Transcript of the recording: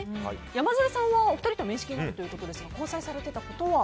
山添さんはお二人と面識があるということですが交際されていたことは。